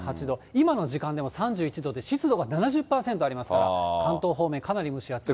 今の時間でも３１度で、湿度が７０％ありますから、関東方面、かなり蒸し暑い。